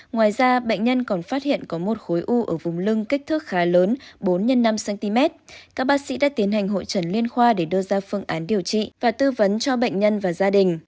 ngoài ra bệnh nhân còn phát hiện có một khối u ở vùng lưng kích thước khá lớn bốn x năm cm các bác sĩ đã tiến hành hội trần liên khoa để đưa ra phương án điều trị và tư vấn cho bệnh nhân và gia đình